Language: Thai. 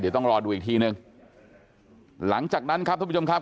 เดี๋ยวต้องรอดูอีกทีหนึ่งหลังจากนั้นครับท่านผู้ชมครับ